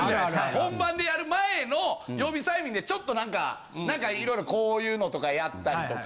本番でやる前の予備催眠でちょっと何か何かいろいろこういうのとかやったりとか。